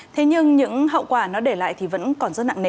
thế nhưng những hậu quả nó để lại thì vẫn còn rất nặng nề